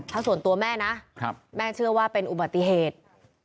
ถ้าส่วนตัวแม่นะแม่เชื่อว่าเป็นอุบัติเหตุ